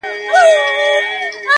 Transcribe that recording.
ما لیدلې د وزیرو په مورچو کي!!